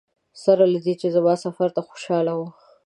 سره له دې چې زما سفر ته خوشاله وه.